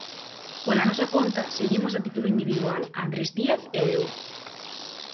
Pola nosa conta seguimos a título individual, Andrés Díaz e eu.